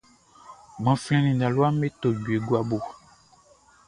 Gbanflɛn nin talua me to jue guabo.